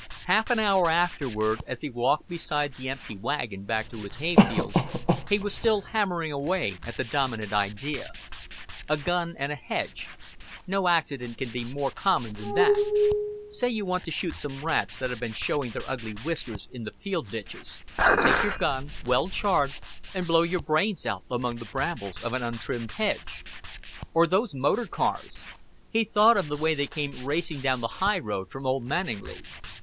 Half an hour afterward, as he walked beside the empty wagon back to his hay fields, he was still hammering away at the dominant idea. A gun and a hedge no accident can be more common than that. Say you want to shoot some rats that have been showing their ugly whiskers in the field ditches; take your gun, well charged, and blow your brains out among the brambles of an untrimmed hedge. Or these motor cars! He thought of the way they came racing down the highroad from Old Manninglea.